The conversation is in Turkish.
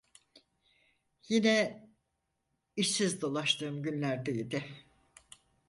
Yine işsiz dolaştığım günlerdeydi.